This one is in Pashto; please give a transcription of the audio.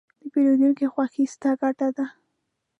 د پیرودونکي خوښي، ستا ګټه ده.